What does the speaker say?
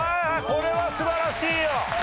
これは素晴らしいよ！